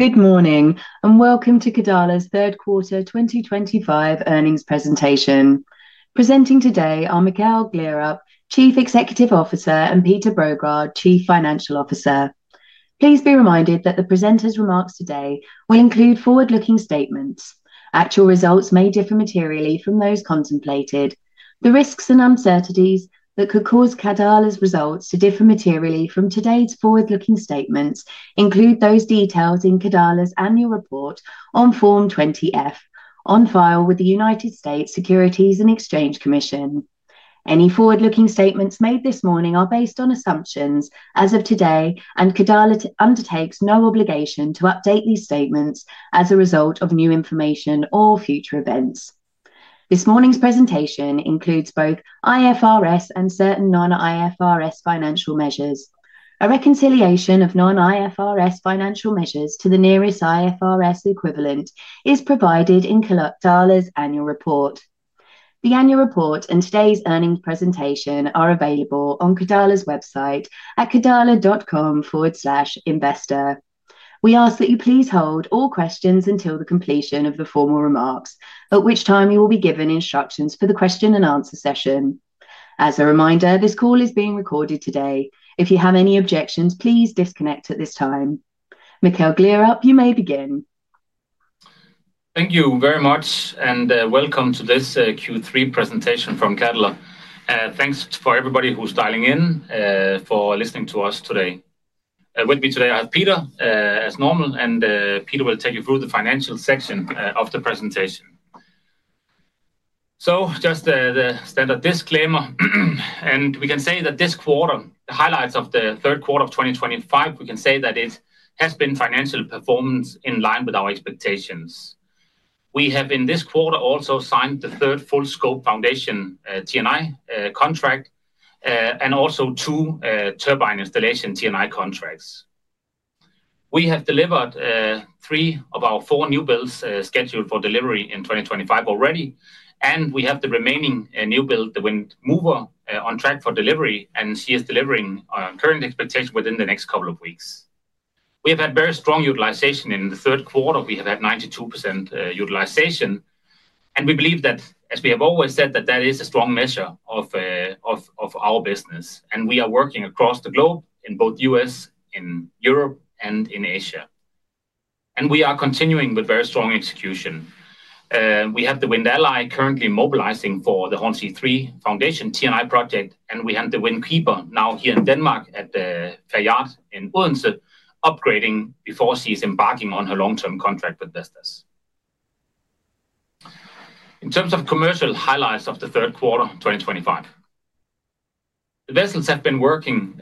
Good morning and welcome to Cadeler's third quarter 2025 earnings presentation. Presenting today are Mikkel Gleerup, Chief Executive Officer, and Peter Brøgaard, Chief Financial Officer. Please be reminded that the presenters' remarks today will include forward-looking statements. Actual results may differ materially from those contemplated. The risks and uncertainties that could cause Cadeler's results to differ materially from today's forward-looking statements include those detailed in Cadeler's annual report on Form 20F, on file with the United States Securities and Exchange Commission. Any forward-looking statements made this morning are based on assumptions as of today, and Cadeler undertakes no obligation to update these statements as a result of new information or future events. This morning's presentation includes both IFRS and certain non-IFRS financial measures. A reconciliation of non-IFRS financial measures to the nearest IFRS equivalent is provided in Cadeler's annual report. The annual report and today's earnings presentation are available on Cadeler's website at cadeler.com/investor. We ask that you please hold all questions until the completion of the formal remarks, at which time you will be given instructions for the question and answer session. As a reminder, this call is being recorded today. If you have any objections, please disconnect at this time. Mikkel Gleerup, you may begin. Thank you very much and welcome to this Q3 presentation from Cadeler. Thanks for everybody who's dialing in for listening to us today. With me today, I have Peter as normal, and Peter will take you through the financial section of the presentation. Just the standard disclaimer, and we can say that this quarter, the highlights of the third quarter of 2025, we can say that it has been financial performance in line with our expectations. We have in this quarter also signed the third full scope foundation TNI contract and also two turbine installation TNI contracts. We have delivered three of our four new builds scheduled for delivery in 2025 already, and we have the remaining new build, the Wind Mover, on track for delivery, and she is delivering current expectations within the next couple of weeks. We have had very strong utilization in the third quarter. We have had 92% utilization, and we believe that, as we have always said, that that is a strong measure of our business, and we are working across the globe in both the U.S., in Europe, and in Asia. We are continuing with very strong execution. We have the Wind Ally currently mobilizing for the Hornsea 3 Foundation TNI project, and we have the Wind Keeper now here in Denmark at the Fjord in Odense, upgrading before she is embarking on her long-term contract with Vestas. In terms of commercial highlights of the third quarter 2025, the vessels have been working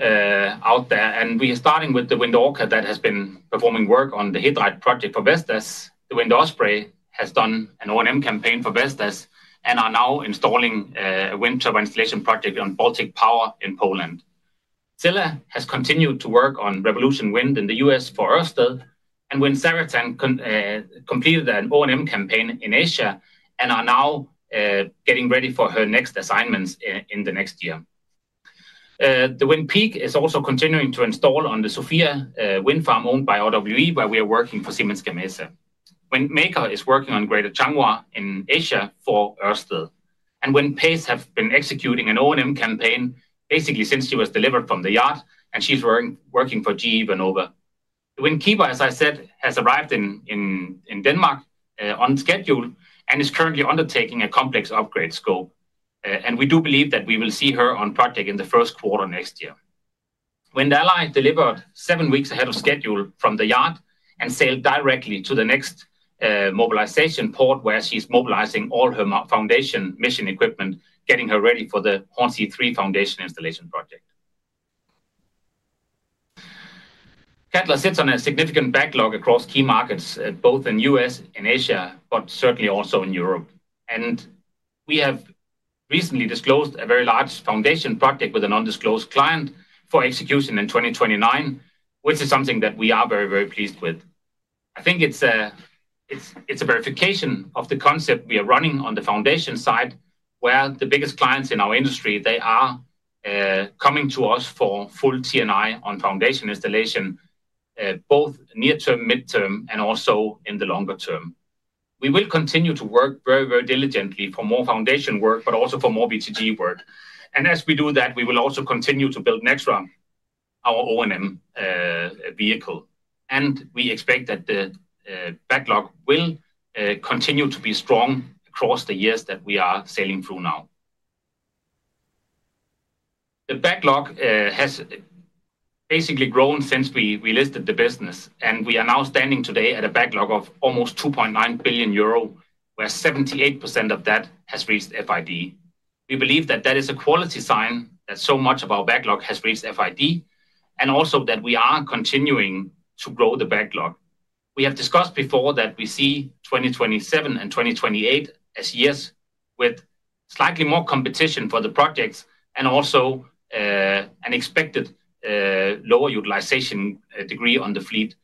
out there, and we are starting with the Wind Orca that has been performing work on the Hywind Rite project for Vestas. The Wind Osprey has done an O&M campaign for Vestas and are now installing a wind turbine installation project on Baltic Power in Poland. Zille has continued to work on Revolution Wind in the U.S. for Ørsted, and Wind Keeper completed an O&M campaign in Asia and are now getting ready for her next assignments in the next year. The Wind Peak is also continuing to install on the Sofia wind farm owned by Ørsted, where we are working for Siemens Gamesa. Wind Maker is working on Greater Changhua in Asia for Ørsted, and Wind Pace have been executing an O&M campaign basically since she was delivered from the yard, and she's working for GE Vernova. The Wind Keeper, as I said, has arrived in Denmark on schedule and is currently undertaking a complex upgrade scope, and we do believe that we will see her on project in the first quarter next year. Wind Ally delivered seven weeks ahead of schedule from the yard and sailed directly to the next mobilization port where she's mobilizing all her foundation mission equipment, getting her ready for the Hornsea 3 Foundation installation project. Cadeler sits on a significant backlog across key markets, both in the U.S. and Asia, but certainly also in Europe, and we have recently disclosed a very large foundation project with a non-disclosed client for execution in 2029, which is something that we are very, very pleased with. I think it's a verification of the concept we are running on the foundation side, where the biggest clients in our industry, they are coming to us for full TNI on foundation installation, both near term, mid term, and also in the longer term. We will continue to work very, very diligently for more foundation work, but also for more BTG work. As we do that, we will also continue to build Nexra, our O&M vehicle, and we expect that the backlog will continue to be strong across the years that we are sailing through now. The backlog has basically grown since we listed the business, and we are now standing today at a backlog of almost 2.9 billion euro, where 78% of that has reached FID. We believe that that is a quality sign that so much of our backlog has reached FID and also that we are continuing to grow the backlog. We have discussed before that we see 2027 and 2028 as years with slightly more competition for the projects and also an expected lower utilization degree on the fleet.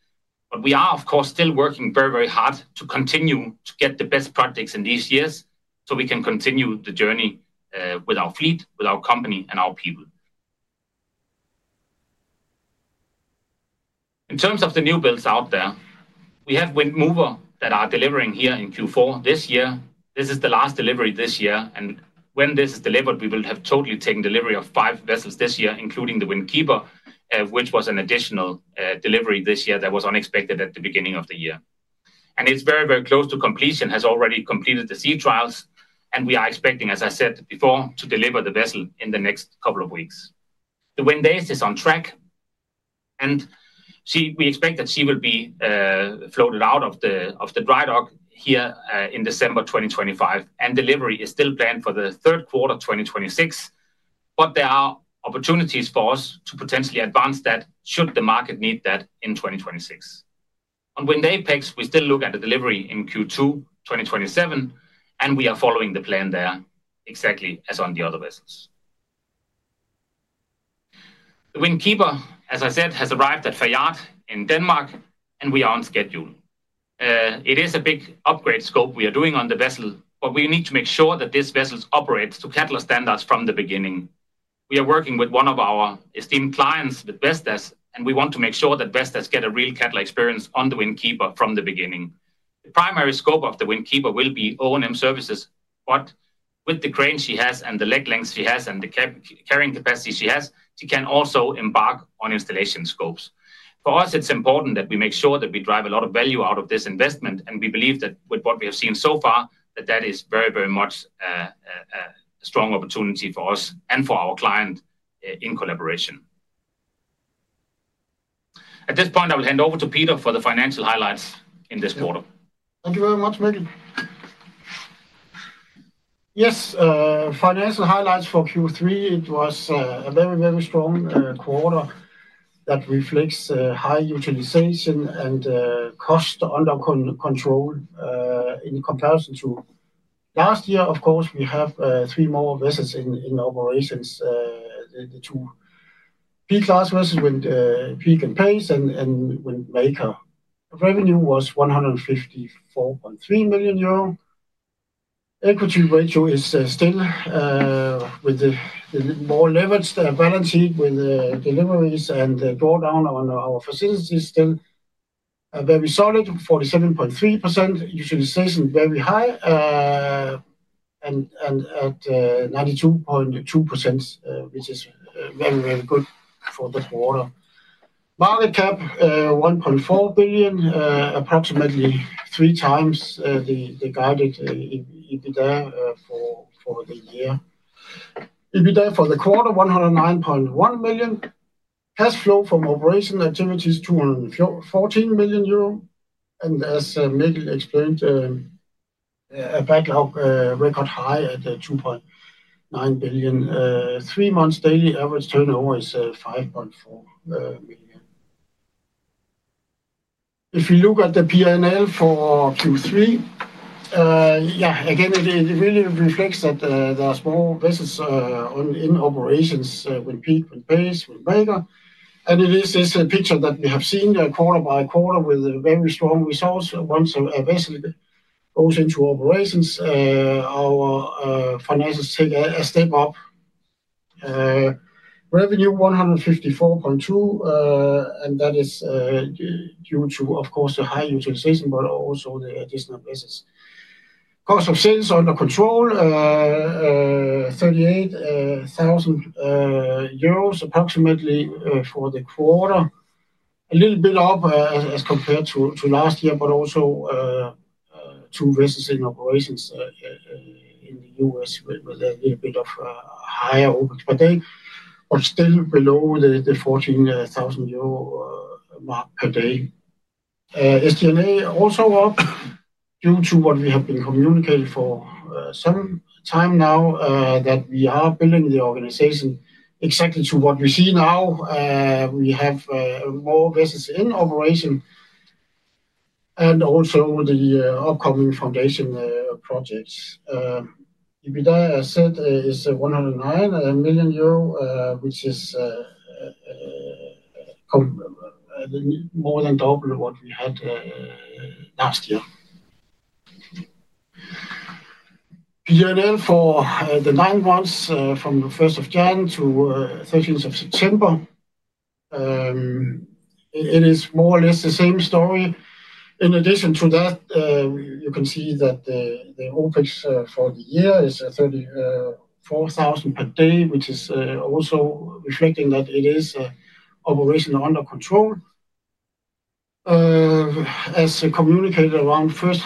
We are, of course, still working very, very hard to continue to get the best projects in these years so we can continue the journey with our fleet, with our company, and our people. In terms of the new builds out there, we have Wind Mover that are delivering here in Q4 this year. This is the last delivery this year, and when this is delivered, we will have totally taken delivery of five vessels this year, including the Wind Keeper, which was an additional delivery this year that was unexpected at the beginning of the year. It is very, very close to completion, has already completed the sea trials, and we are expecting, as I said before, to deliver the vessel in the next couple of weeks. The Wind Base is on track, and we expect that she will be floated out of the dry dock here in December 2025, and delivery is still planned for the third quarter 2026, but there are opportunities for us to potentially advance that should the market need that in 2026. On Wind Apex, we still look at the delivery in Q2 2027, and we are following the plan there exactly as on the other vessels. The Wind Keeper, as I said, has arrived at Fjord in Denmark, and we are on schedule. It is a big upgrade scope we are doing on the vessel, but we need to make sure that this vessel operates to Cadeler standards from the beginning. We are working with one of our esteemed clients, with Vestas, and we want to make sure that Vestas gets a real Cadeler experience on the Wind Keeper from the beginning. The primary scope of the Wind Keeper will be O&M services, but with the crane she has and the leg length she has and the carrying capacity she has, she can also embark on installation scopes. For us, it is important that we make sure that we drive a lot of value out of this investment, and we believe that with what we have seen so far, that that is very, very much a strong opportunity for us and for our client in collaboration. At this point, I will hand over to Peter for the financial highlights in this quarter. Thank you very much, Mikkel. Yes, financial highlights for Q3, it was a very, very strong quarter that reflects high utilization and cost under control in comparison to last year. Of course, we have three more vessels in operations, the two B-class vessels, Wind Peak and Pace, and Wind Maker. Revenue was 154.3 million euro. Equity ratio is still with the more leveraged balance sheet with deliveries and drawdown on our facilities still very solid, 47.3% utilization, very high, and at 92.2%, which is very, very good for the quarter. Market cap, 1.4 billion, approximately three times the guided EBITDA for the year. EBITDA for the quarter, 109.1 million. Cash flow from operation activities, 214 million euro. As Mikkel explained, a backlog record high at 2.9 billion. Three months daily average turnover is 5.4 million. If we look at the P&L for Q3, yeah, again, it really reflects that there are small vessels in operations, Wind Peak, Wind Pace, Wind Maker. And it is this picture that we have seen quarter by quarter with very strong results. Once a vessel goes into operations, our financials take a step up. Revenue 154.2 million, and that is due to, of course, the high utilization, but also the additional vessels. Cost of sales under control, 38,000 approximately for the quarter, a little bit up as compared to last year, but also two vessels in operations in the US with a little bit of higher opening per day, but still below the 14,000 euro mark per day. SG&A also up due to what we have been communicating for some time now that we are building the organization exactly to what we see now. We have more vessels in operation and also the upcoming foundation projects. EBITDA, as I said, is 109 million euro, which is more than double what we had last year. P&L for the nine months from the 1st of January to the 13th of September, it is more or less the same story. In addition to that, you can see that the openings for the year is 34,000 per day, which is also reflecting that it is operation under control. As communicated around the first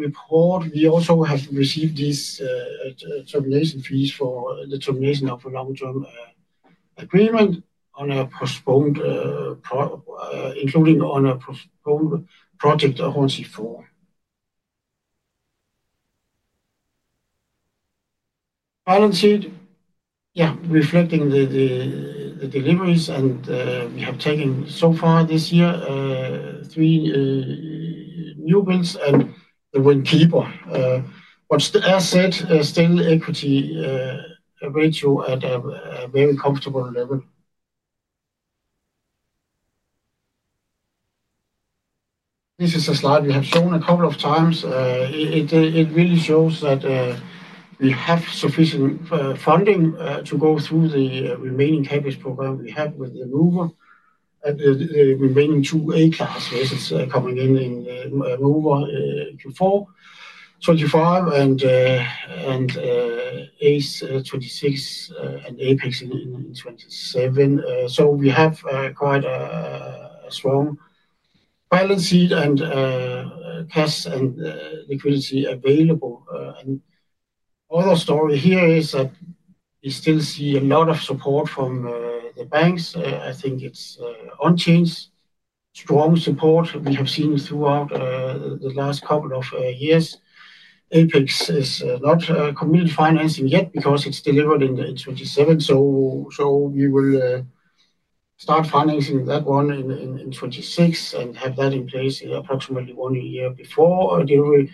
half report, we also have received these termination fees for the termination of a long-term agreement on a postponed, including on a postponed project of Hornsea 4. Balance sheet, yeah, reflecting the deliveries and we have taken so far this year, three new builds and the Wind Keeper, but as I said, still equity ratio at a very comfortable level. This is a slide we have shown a couple of times. It really shows that we have sufficient funding to go through the remaining CapEx program we have with the Mover, the remaining two A-class vessels coming in in Mover Q4 2025, and Ace 2026 and Apex in 2027. We have quite a strong balance sheet and cash and liquidity available. The other story here is that we still see a lot of support from the banks. I think it is unchanged, strong support we have seen throughout the last couple of years. Apex is not committed financing yet because it is delivered in 2027, so we will start financing that one in 2026 and have that in place approximately one year before delivery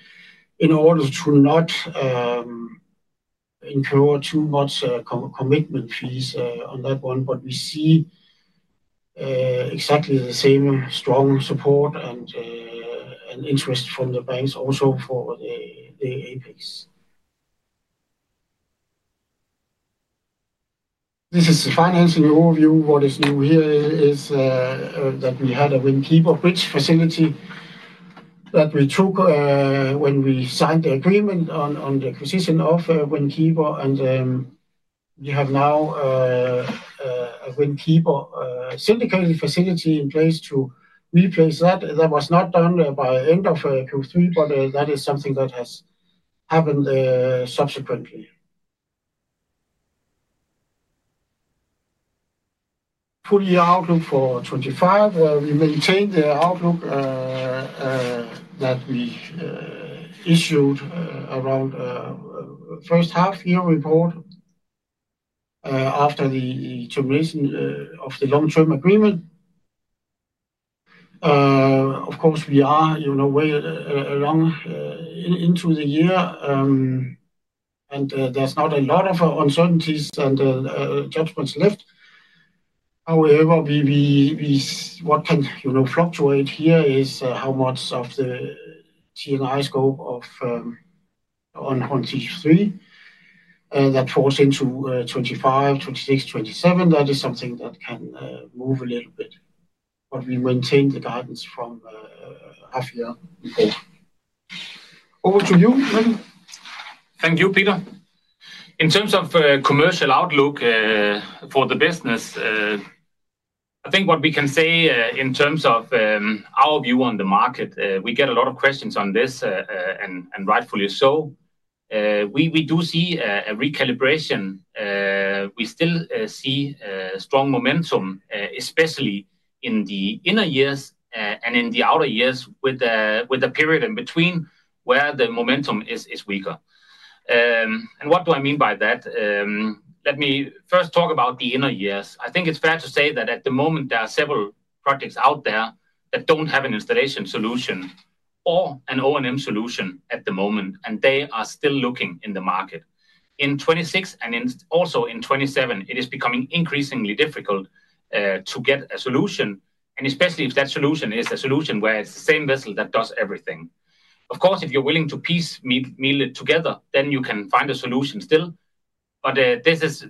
in order to not incur too much commitment fees on that one. We see exactly the same strong support and interest from the banks also for the Apex. This is the financing overview. What is new here is that we had a Wind Keeper bridge facility that we took when we signed the agreement on the acquisition of Wind Keeper, and we have now a Wind Keeper syndicated facility in place to replace that. That was not done by the end of Q3, but that is something that has happened subsequently. Four-year outlook for 2025, we maintained the outlook that we issued around the first half year report after the termination of the long-term agreement. Of course, we are way along into the year, and there's not a lot of uncertainties and judgments left. However, what can fluctuate here is how much of the TNI scope on Hornsea 3 that falls into 2025, 2026, 2027. That is something that can move a little bit, but we maintained the guidance from half year before. Over to you, Mikkel. Thank you, Peter. In terms of commercial outlook for the business, I think what we can say in terms of our view on the market, we get a lot of questions on this, and rightfully so. We do see a recalibration. We still see strong momentum, especially in the inner years and in the outer years with a period in between where the momentum is weaker. What do I mean by that? Let me first talk about the inner years. I think it's fair to say that at the moment, there are several projects out there that don't have an installation solution or an O&M solution at the moment, and they are still looking in the market. In 2026 and also in 2027, it is becoming increasingly difficult to get a solution, and especially if that solution is a solution where it's the same vessel that does everything. Of course, if you're willing to piece meal it together, then you can find a solution still, but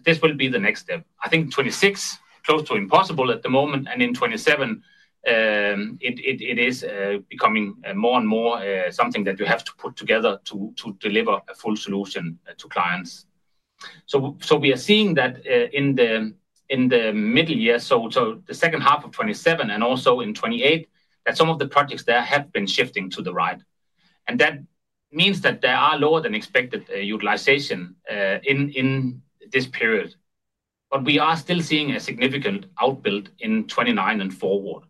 this will be the next step. I think 2026, close to impossible at the moment, and in 2027, it is becoming more and more something that you have to put together to deliver a full solution to clients. We are seeing that in the middle year, so the second half of 2027 and also in 2028, that some of the projects there have been shifting to the right. That means that there are lower than expected utilization in this period, but we are still seeing a significant outbuild in 2029 and forward.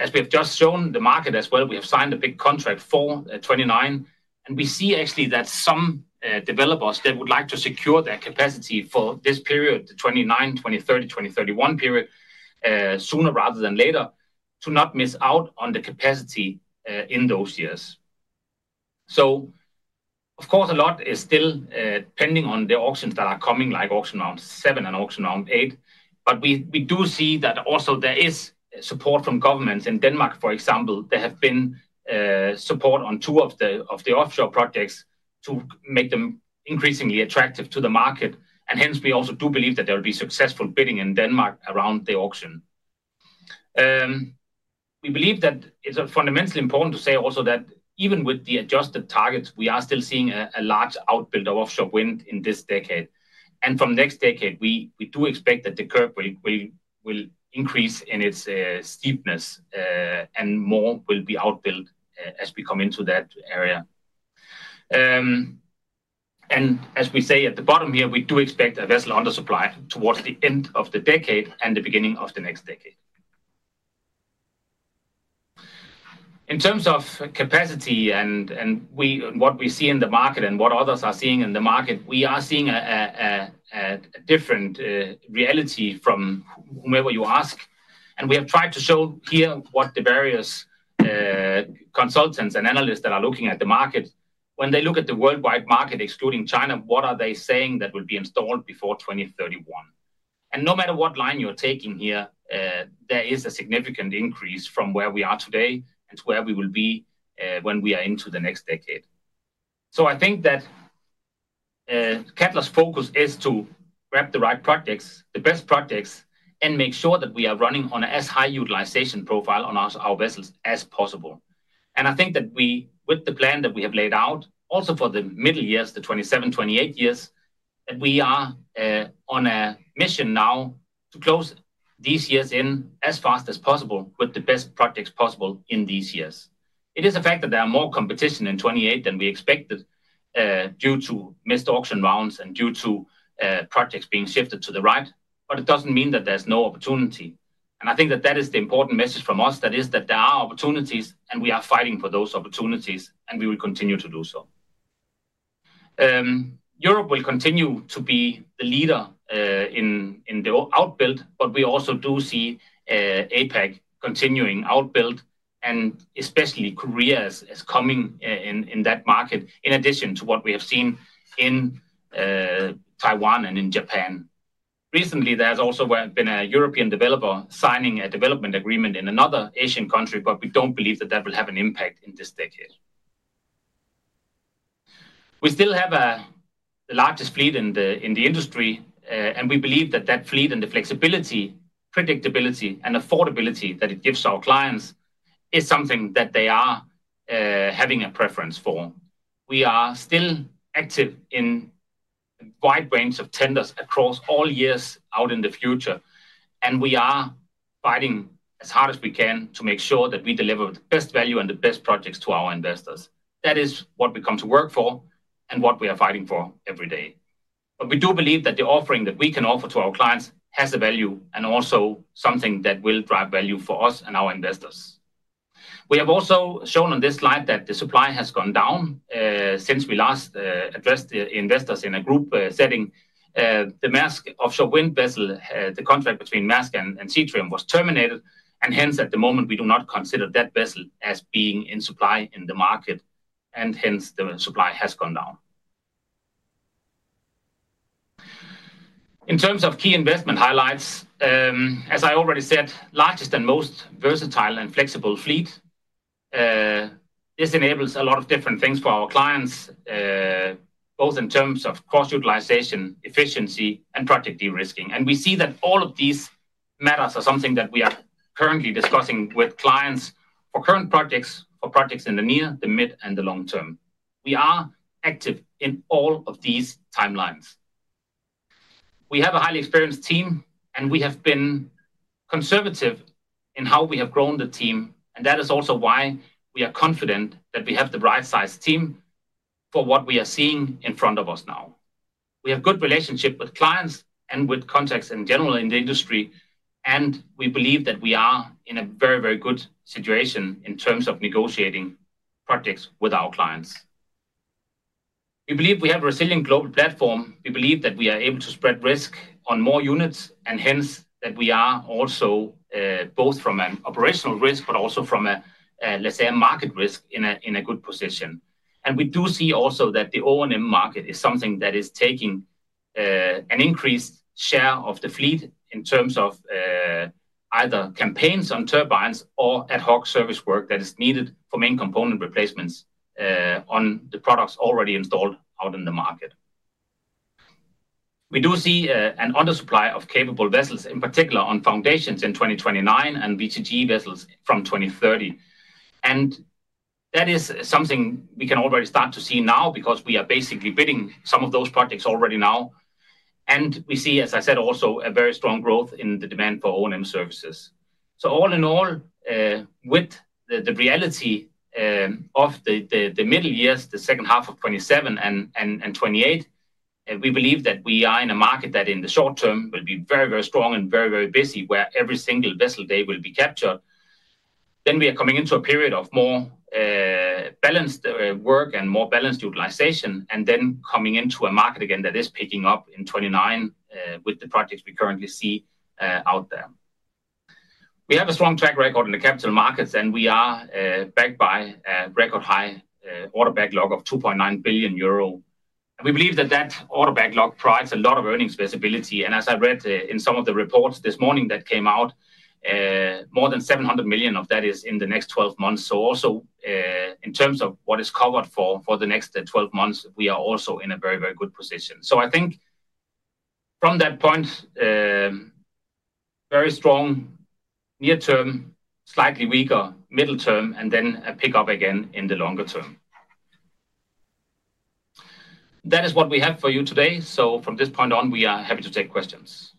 As we have just shown the market as well, we have signed a big contract for 2029, and we see actually that some developers would like to secure their capacity for this period, the 2029, 2030, 2031 period, sooner rather than later, to not miss out on the capacity in those years. Of course, a lot is still pending on the auctions that are coming, like auction round seven and auction round eight, but we do see that also there is support from governments in Denmark, for example. There has been support on two of the offshore projects to make them increasingly attractive to the market, and hence we also do believe that there will be successful bidding in Denmark around the auction. We believe that it's fundamentally important to say also that even with the adjusted targets, we are still seeing a large outbuild of offshore wind in this decade. From next decade, we do expect that the curve will increase in its steepness, and more will be outbuilt as we come into that area. As we say at the bottom here, we do expect a vessel undersupply towards the end of the decade and the beginning of the next decade. In terms of capacity and what we see in the market and what others are seeing in the market, we are seeing a different reality from whomever you ask. We have tried to show here what the various consultants and analysts that are looking at the market, when they look at the worldwide market, excluding China, what are they saying that will be installed before 2031. No matter what line you're taking here, there is a significant increase from where we are today to where we will be when we are into the next decade. I think that Cadeler's focus is to grab the right projects, the best projects, and make sure that we are running on as high utilization profile on our vessels as possible. I think that with the plan that we have laid out also for the middle years, the 2027, 2028 years, we are on a mission now to close these years in as fast as possible with the best projects possible in these years. It is a fact that there is more competition in 2028 than we expected due to missed auction rounds and due to projects being shifted to the right, but it doesn't mean that there's no opportunity. I think that that is the important message from us, that is that there are opportunities, and we are fighting for those opportunities, and we will continue to do so. Europe will continue to be the leader in the outbuild, but we also do see APEC continuing outbuild, and especially Korea is coming in that market in addition to what we have seen in Taiwan and in Japan. Recently, there has also been a European developer signing a development agreement in another Asian country, but we do not believe that that will have an impact in this decade. We still have the largest fleet in the industry, and we believe that that fleet and the flexibility, predictability, and affordability that it gives our clients is something that they are having a preference for. We are still active in a wide range of tenders across all years out in the future, and we are fighting as hard as we can to make sure that we deliver the best value and the best projects to our investors. That is what we come to work for and what we are fighting for every day. We do believe that the offering that we can offer to our clients has a value and also something that will drive value for us and our investors. We have also shown on this slide that the supply has gone down since we last addressed the investors in a group setting. The MASK Offshore Wind vessel, the contract between MASK and Cetrium was terminated, and hence at the moment, we do not consider that vessel as being in supply in the market, and hence the supply has gone down. In terms of key investment highlights, as I already said, largest and most versatile and flexible fleet. This enables a lot of different things for our clients, both in terms of cost utilization, efficiency, and project de-risking. We see that all of these matters are something that we are currently discussing with clients for current projects, for projects in the near, the mid, and the long term. We are active in all of these timelines. We have a highly experienced team, and we have been conservative in how we have grown the team, and that is also why we are confident that we have the right-sized team for what we are seeing in front of us now. We have a good relationship with clients and with contacts in general in the industry, and we believe that we are in a very, very good situation in terms of negotiating projects with our clients. We believe we have a resilient global platform. We believe that we are able to spread risk on more units, and hence that we are also both from an operational risk, but also from a, let's say, a market risk in a good position. We do see also that the O&M market is something that is taking an increased share of the fleet in terms of either campaigns on turbines or ad hoc service work that is needed for main component replacements on the products already installed out in the market. We do see an undersupply of capable vessels, in particular on foundations in 2029 and VTG vessels from 2030. That is something we can already start to see now because we are basically bidding some of those projects already now. We see, as I said, also a very strong growth in the demand for O&M services. All in all, with the reality of the middle years, the second half of 2027 and 2028, we believe that we are in a market that in the short term will be very, very strong and very, very busy where every single vessel day will be captured. We are coming into a period of more balanced work and more balanced utilization, and then coming into a market again that is picking up in 2029 with the projects we currently see out there. We have a strong track record in the capital markets, and we are backed by a record high order backlog of 2.9 billion euro. We believe that that order backlog provides a lot of earnings visibility. As I read in some of the reports this morning that came out, more than 700 million of that is in the next 12 months. Also in terms of what is covered for the next 12 months, we are also in a very, very good position. I think from that point, very strong near term, slightly weaker middle term, and then a pickup again in the longer term. That is what we have for you today. From this point on, we are happy to take questions.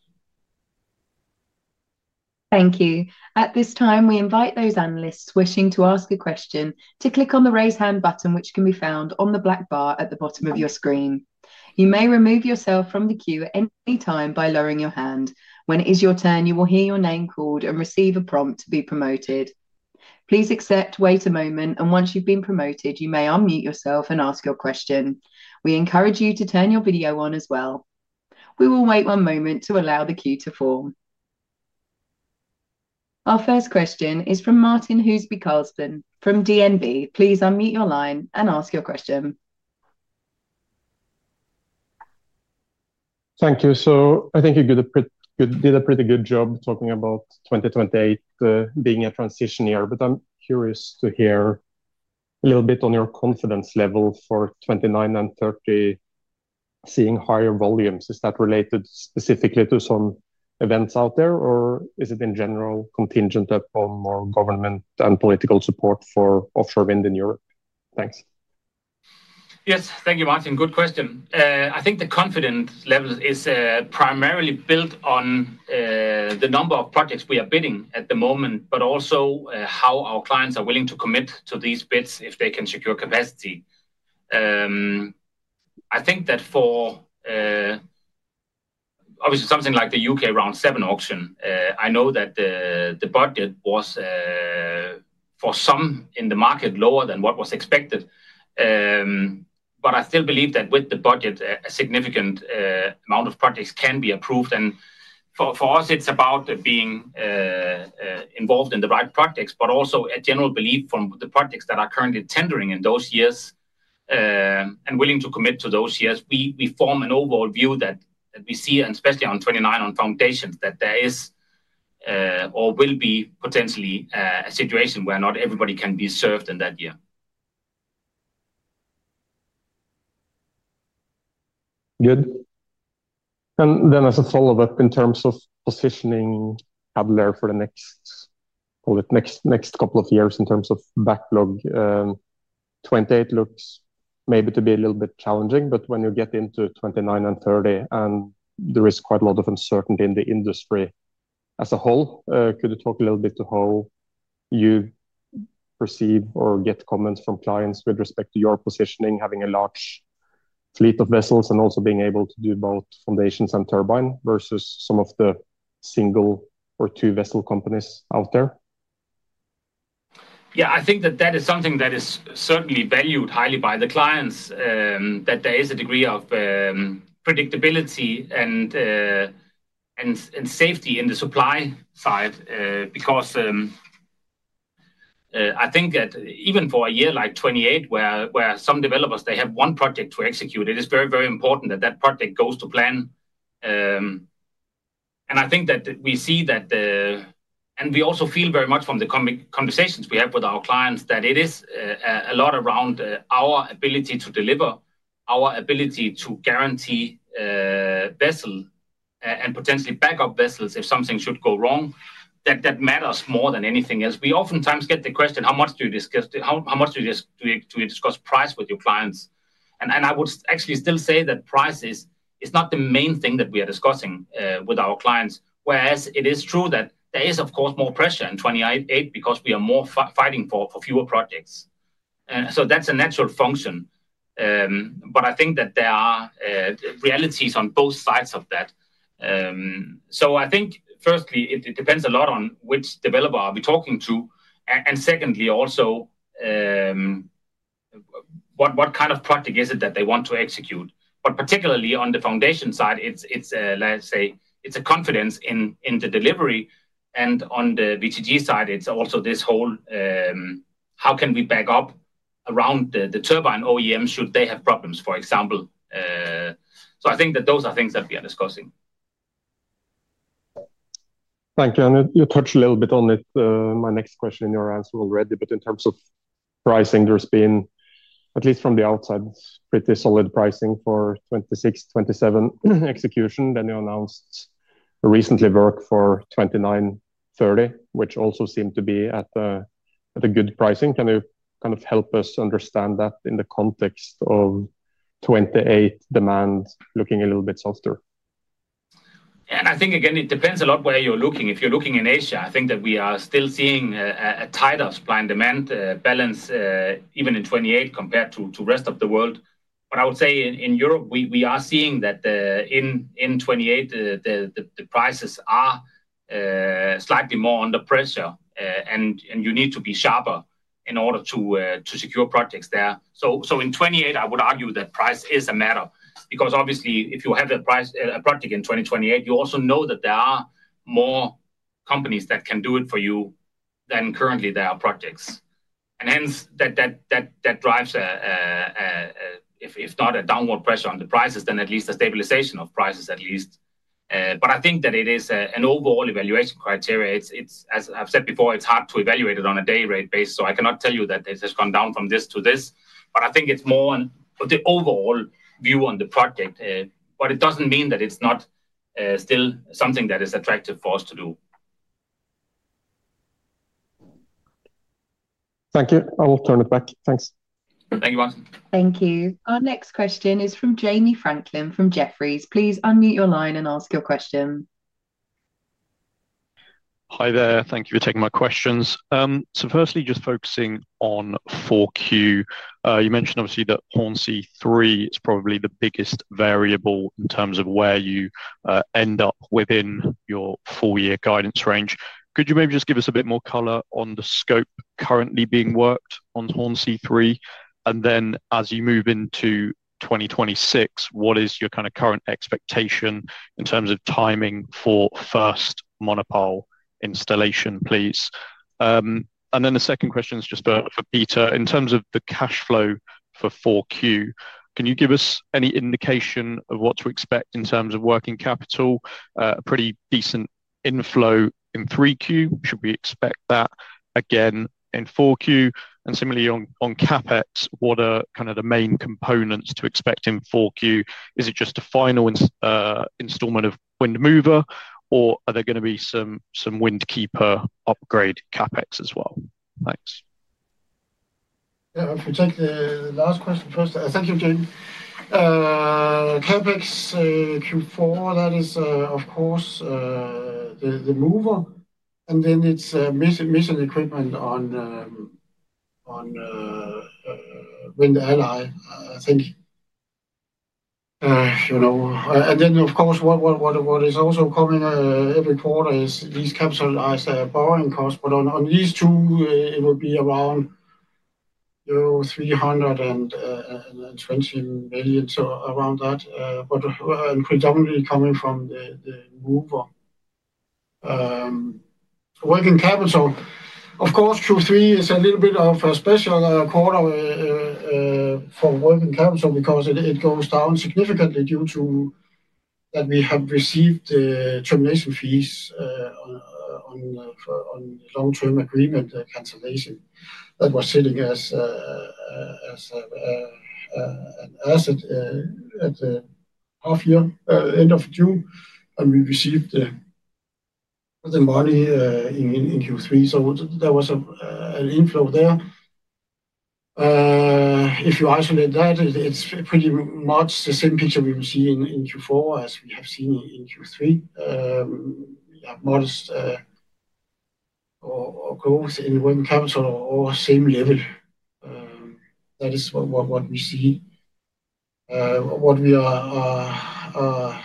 Thank you. At this time, we invite those analysts wishing to ask a question to click on the raise hand button, which can be found on the black bar at the bottom of your screen. You may remove yourself from the queue at any time by lowering your hand. When it is your turn, you will hear your name called and receive a prompt to be promoted. Please accept, wait a moment, and once you've been promoted, you may unmute yourself and ask your question. We encourage you to turn your video on as well. We will wait one moment to allow the queue to form. Our first question is from Martin Husby Karlsson from DNB. Please unmute your line and ask your question. Thank you. I think you did a pretty good job talking about 2028 being a transition year, but I'm curious to hear a little bit on your confidence level for 2029 and 2030 seeing higher volumes. Is that related specifically to some events out there, or is it in general contingent upon more government and political support for offshore wind in Europe? Thanks. Yes, thank you, Martin. Good question. I think the confidence level is primarily built on the number of projects we are bidding at the moment, but also how our clients are willing to commit to these bids if they can secure capacity. I think that for obviously something like the U.K. round seven auction, I know that the budget was for some in the market lower than what was expected. I still believe that with the budget, a significant amount of projects can be approved. For us, it is about being involved in the right projects, but also a general belief from the projects that are currently tendering in those years and willing to commit to those years. We form an overall view that we see, and especially on 2029 on foundations, that there is or will be potentially a situation where not everybody can be served in that year. Good. As a follow-up in terms of positioning Cadeler for the next, call it next couple of years in terms of backlog, 2028 looks maybe to be a little bit challenging, but when you get into 2029 and 2030, and there is quite a lot of uncertainty in the industry as a whole, could you talk a little bit to how you perceive or get comments from clients with respect to your positioning, having a large fleet of vessels and also being able to do both foundations and turbine versus some of the single or two-vessel companies out there? Yeah, I think that that is something that is certainly valued highly by the clients, that there is a degree of predictability and safety in the supply side because I think that even for a year like 2028, where some developers, they have one project to execute, it is very, very important that that project goes to plan. I think that we see that, and we also feel very much from the conversations we have with our clients, that it is a lot around our ability to deliver, our ability to guarantee vessel and potentially backup vessels if something should go wrong, that that matters more than anything else. We oftentimes get the question, how much do you discuss? How much do you discuss price with your clients? I would actually still say that price is not the main thing that we are discussing with our clients, whereas it is true that there is, of course, more pressure in 2028 because we are more fighting for fewer projects. That is a natural function. I think that there are realities on both sides of that. Firstly, it depends a lot on which developer we are talking to. Secondly, also what kind of project is it that they want to execute. Particularly on the foundation side, let's say it is a confidence in the delivery. On the VTG side, it is also this whole, how can we back up around the turbine OEMs should they have problems, for example. I think that those are things that we are discussing. Thank you. You touched a little bit on it, my next question in your answer already, but in terms of pricing, there has been, at least from the outside, pretty solid pricing for 2026, 2027 execution. You announced recently work for 2029, 2030, which also seemed to be at a good pricing. Can you kind of help us understand that in the context of 2028 demand looking a little bit softer? Yeah, I think again, it depends a lot where you're looking. If you're looking in Asia, I think that we are still seeing a tight supply and demand balance even in 2028 compared to the rest of the world. I would say in Europe, we are seeing that in 2028, the prices are slightly more under pressure, and you need to be sharper in order to secure projects there. In 2028, I would argue that price is a matter because obviously if you have a project in 2028, you also know that there are more companies that can do it for you than currently there are projects. Hence that drives, if not a downward pressure on the prices, then at least a stabilization of prices at least. I think that it is an overall evaluation criteria. As I've said before, it's hard to evaluate it on a day rate basis. I cannot tell you that it has gone down from this to this, but I think it's more the overall view on the project, but it doesn't mean that it's not still something that is attractive for us to do. Thank you. I will turn it back. Thanks. Thank you, Martin. Thank you. Our next question is from Jamie Franklin from Jefferies. Please unmute your line and ask your question. Hi there. Thank you for taking my questions. Firstly, just focusing on 4Q, you mentioned obviously that Hornsea 3 is probably the biggest variable in terms of where you end up within your four-year guidance range. Could you maybe just give us a bit more color on the scope currently being worked on Hornsea 3? As you move into 2026, what is your kind of current expectation in terms of timing for first monopole installation, please? The second question is just for Peter. In terms of the cash flow for 4Q, can you give us any indication of what to expect in terms of working capital? A pretty decent inflow in 3Q. Should we expect that again in 4Q? Similarly on CapEx, what are kind of the main components to expect in 4Q? Is it just a final installment of Wind Mover, or are there going to be some Wind Keeper upgrade CapEx as well? Thanks. Yeah, if we take the last question first, thank you, James. CapEx Q4, that is of course the Mover, and then it's mission equipment on Wind Ally, I think. And then of course, what is also coming every quarter is these capitalized borrowing costs, but on these two, it would be around 320 million, so around that, but predominantly coming from the Mover. Working capital, of course, Q3 is a little bit of a special quarter for working capital because it goes down significantly due to that we have received termination fees on long-term agreement cancellation that was sitting as an asset at the half year, end of June, and we received the money in Q3. There was an inflow there. If you isolate that, it's pretty much the same picture we will see in Q4 as we have seen in Q3. We have modest growth in wind capital or same level. That is what we see. What we are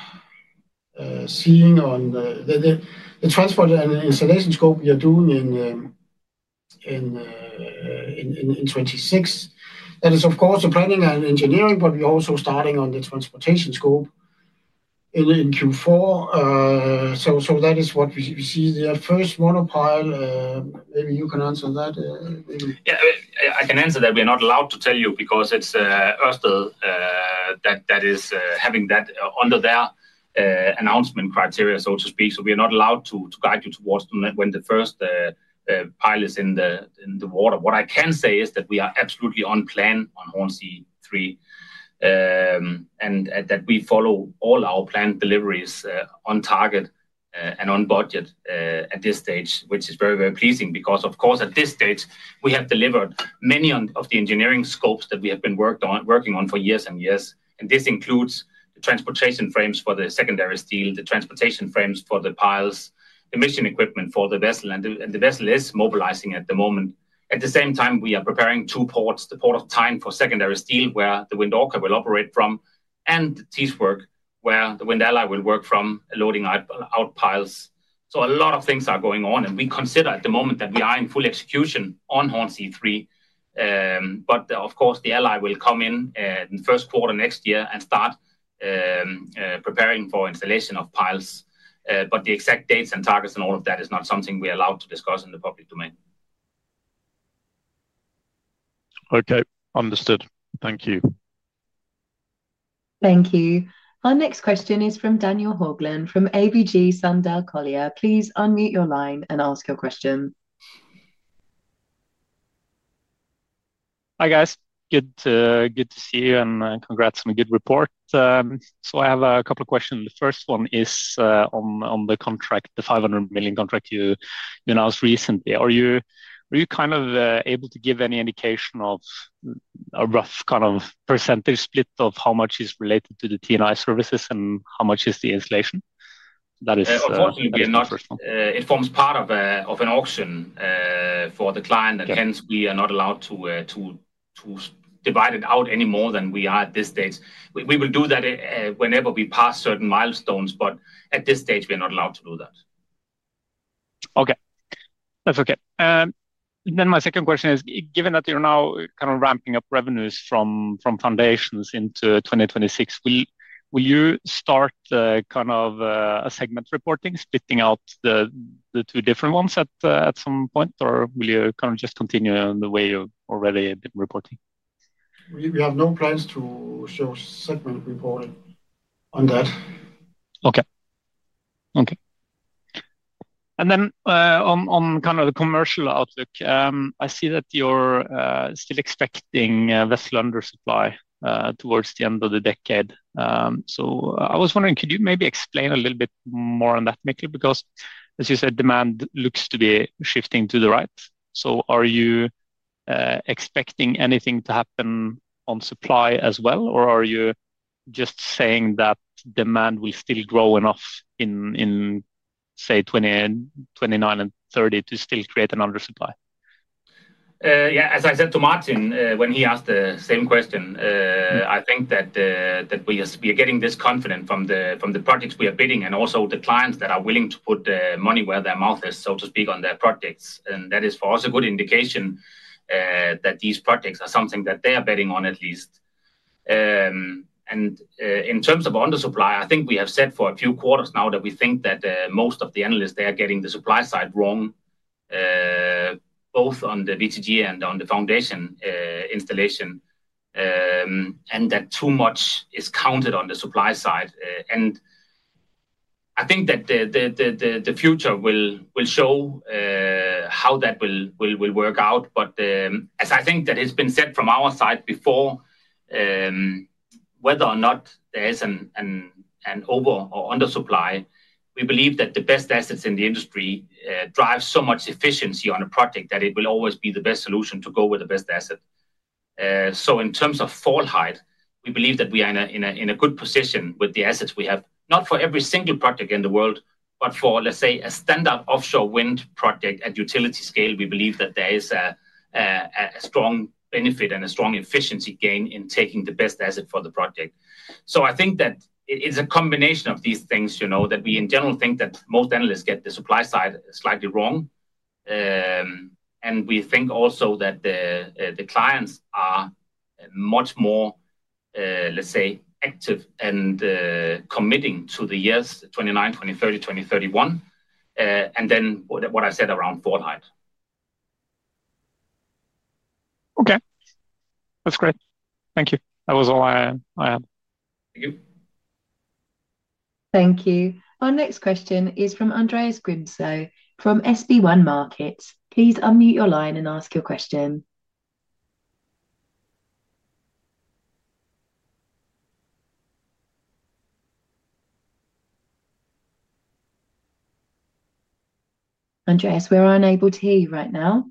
seeing on the transport and installation scope we are doing in 2026, that is of course the planning and engineering, but we are also starting on the transportation scope in Q4. That is what we see. The first monopile, maybe you can answer that. Yeah, I can answer that. We are not allowed to tell you because it's Ørsted that is having that under their announcement criteria, so to speak. We are not allowed to guide you towards when the first pile is in the water. What I can say is that we are absolutely on plan on Hornsea 3 and that we follow all our planned deliveries on target and on budget at this stage, which is very, very pleasing because of course at this stage, we have delivered many of the engineering scopes that we have been working on for years and years. This includes the transportation frames for the secondary steel, the transportation frames for the piles, the mission equipment for the vessel, and the vessel is mobilizing at the moment. At the same time, we are preparing two ports, the Port of Tyne for secondary steel where the Wind Orca will operate from, and Teesport where the Wind Ally will work from loading out piles. A lot of things are going on, and we consider at the moment that we are in full execution on Hornsea 3, but of course the Ally will come in the first quarter next year and start preparing for installation of piles. The exact dates and targets and all of that is not something we are allowed to discuss in the public domain. Okay, understood. Thank you. Thank you. Our next question is from Daniel Hogland from ABG Sundal Collier. Please unmute your line and ask your question. Hi guys. Good to see you and congrats on a good report. I have a couple of questions. The first one is on the contract, the 500 million contract you announced recently. Are you kind of able to give any indication of a rough kind of percentage split of how much is related to the TNI services and how much is the installation? Unfortunately, it forms part of an auction for the client, and hence we are not allowed to divide it out any more than we are at this stage. We will do that whenever we pass certain milestones, but at this stage, we are not allowed to do that. Okay. That's okay. Then my second question is, given that you're now kind of ramping up revenues from foundations into 2026, will you start kind of a segment reporting, splitting out the two different ones at some point, or will you kind of just continue the way you've already been reporting? We have no plans to show segment reporting on that. Okay. Okay. On kind of the commercial outlook, I see that you're still expecting vessel under supply towards the end of the decade. I was wondering, could you maybe explain a little bit more on that, Mikkel, because as you said, demand looks to be shifting to the right. Are you expecting anything to happen on supply as well, or are you just saying that demand will still grow enough in, say, 2029 and 2030 to still create an under supply? Yeah, as I said to Martin when he asked the same question, I think that we are getting this confidence from the projects we are bidding and also the clients that are willing to put money where their mouth is, so to speak, on their projects. That is for us a good indication that these projects are something that they are betting on at least. In terms of under supply, I think we have said for a few quarters now that we think that most of the analysts, they are getting the supply side wrong, both on the WTIV and on the foundation installation, and that too much is counted on the supply side. I think that the future will show how that will work out. As I think that has been said from our side before, whether or not there is an over or under supply, we believe that the best assets in the industry drive so much efficiency on a project that it will always be the best solution to go with the best asset. In terms of fall height, we believe that we are in a good position with the assets we have, not for every single project in the world, but for, let's say, a standard offshore wind project at utility scale, we believe that there is a strong benefit and a strong efficiency gain in taking the best asset for the project. I think that it's a combination of these things, you know, that we in general think that most analysts get the supply side slightly wrong. We think also that the clients are much more, let's say, active and committing to the years 2029, 2030, 2031, and then what I said around fall height. Okay. That's great. Thank you. That was all I had. Thank you. Thank you. Our next question is from Andreas Grimsø from SB1 Markets. Please unmute your line and ask your question. Andreas, we're unable to hear you right now.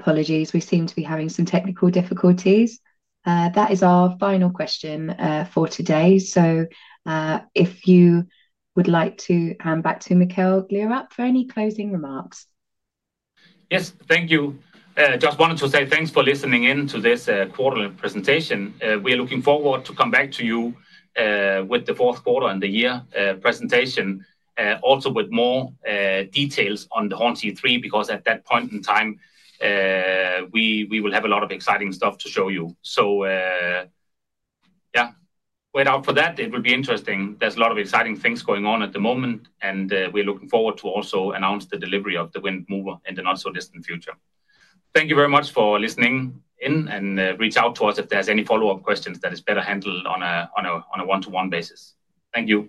Apologies, we seem to be having some technical difficulties. That is our final question for today. If you would like to hand back to Mikkel Gleerup for any closing remarks. Yes, thank you. Just wanted to say thanks for listening in to this quarterly presentation. We are looking forward to come back to you with the fourth quarter and the year presentation, also with more details on the Hornsea 3 because at that point in time, we will have a lot of exciting stuff to show you. Wait out for that. It will be interesting. There is a lot of exciting things going on at the moment, and we are looking forward to also announce the delivery of the Wind Mover in the not so distant future. Thank you very much for listening in and reach out to us if there is any follow-up questions that is better handled on a one-to-one basis. Thank you.